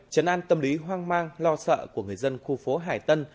chấn an tâm lý hoang mang lo sợ của người dân khu phố hải tân